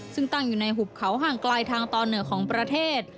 ซึ่งตั้งอยู่ในหุบเขาห่างไกลทางตอนเหนือของประเทศ